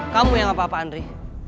kamu yang apa apaan riri